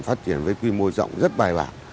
phát triển với quy mô rộng rất bài bản